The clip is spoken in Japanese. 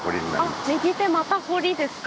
あっ右手また堀ですか。